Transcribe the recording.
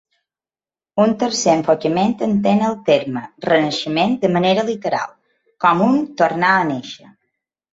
Un tercer enfocament entén el terme "renaixement" de manera literal, com un "tornar a néixer".